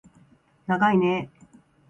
ながいねー